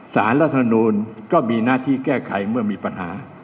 รัฐมนูลก็มีหน้าที่แก้ไขเมื่อมีปัญหา